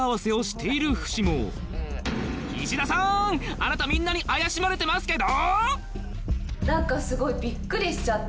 あなたみんなに怪しまれてますけど？